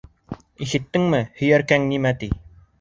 Ишеттеңме, һөйәркәң нимә ти?